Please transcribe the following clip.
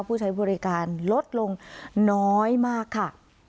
ผู้ใช้บริการลดลงน้อยมากค่ะ